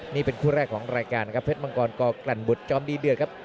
นี่เป็นคู่แรกของรายการนะครับเพชรมังกรก่อกลั่นบุตรจอมดีเดือครับ